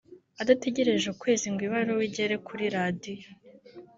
adategereje ukwezi ngo ibaruwa igere kuri radiyo